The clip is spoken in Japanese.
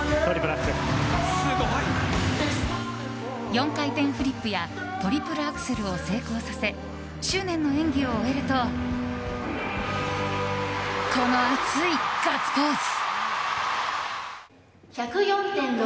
４回転フリップやトリプルアクセルを成功させ執念の演技を終えるとこの熱いガッツポーズ！